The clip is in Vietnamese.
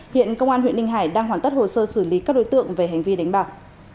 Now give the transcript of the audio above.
hiện công an huyện ninh hải đang hoàn tất hồ sơ xử lý các đối tượng về hành vi đánh bạc